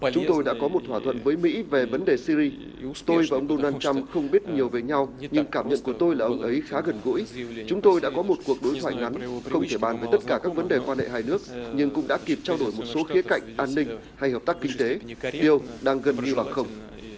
chúng tôi đã có một cuộc đối thoại ngắn không thể bàn với tất cả các vấn đề quan hệ hai nước nhưng cũng đã kịp trao đổi một số khía cạnh an ninh hay hợp tác kinh tế điều đang gần như bằng không